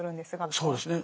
そうですね。